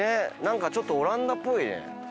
ちょっとオランダっぽいね。